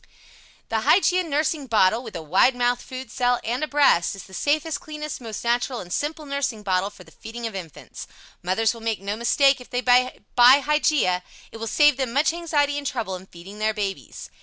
] The Hygeia nursing bottle, with a wide mouth food cell and a breast, is the safest, cleanest, most natural, and simple nursing bottle for the feeding of infants. Mothers will make no mistake if they buy the Hygeia. It will save them much anxiety and trouble in feeding their babies.